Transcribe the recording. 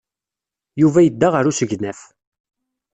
Yuba yedda ɣer usegnaf.